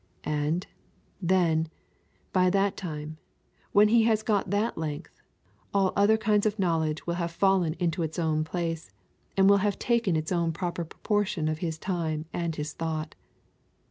And, then, by that time, and when he has got that length, all other kinds of knowledge will have fallen into its own place, and will have taken its own proper proportion of his time and his thought.